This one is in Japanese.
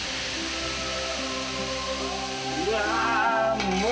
うわ。